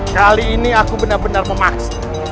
kali ini aku benar benar memaksa